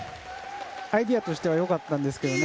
アイデアとしては良かったんですけどね。